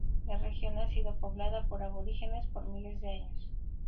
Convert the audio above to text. La región ha sido poblada por aborígenes por miles de años.